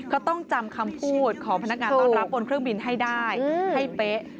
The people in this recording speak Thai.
ก็ต้องจำคำพูดของพนักงานต้อนรับบนเครื่องบินให้ได้ให้เป๊ะ